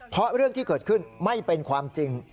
เพราะเรื่องที่เกิดขึ้นไม่เป็นความจริง